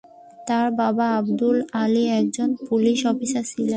তার বাবা আব্দুল আলি একজন পুলিশ অফিসার ছিলেন।